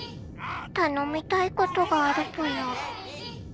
「たのみたいことがあるぽよ」。